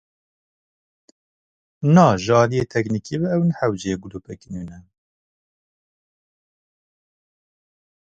Na, ji aliyê teknîkî ve ew ne hewceyê gulopeke nû ne.